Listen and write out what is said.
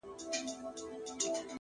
حسن خو زر نه دى چي څوك يې پـټ كــړي!!